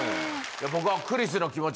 僕は。